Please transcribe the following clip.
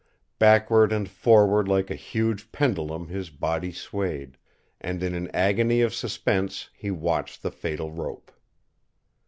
Backward and forward like a huge pendulum his body swayed, and in an agony of suspense he watched the fatal rope.